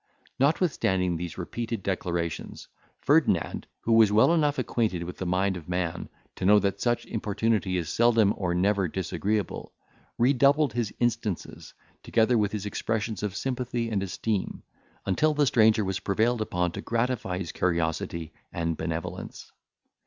Notwithstanding these repeated declarations, Ferdinand, who was well enough acquainted with the mind of man to know that such importunity is seldom or never disagreeable, redoubled his instances, together with his expressions of sympathy and esteem, until the stranger was prevailed upon to gratify his curiosity and benevolence.